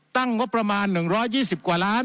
ตั้งงบประมาณหนึ่งร้อยยี่สิบกว่าล้าน